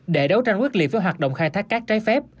để đấu tranh quyết liệt với hoạt động khai thác cát trái phép